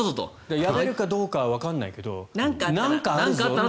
辞めるかどうかはわからないけど何かあるぞと。